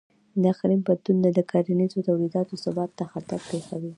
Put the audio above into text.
د اقلیم بدلون د کرنیزو تولیداتو ثبات ته خطر پېښوي.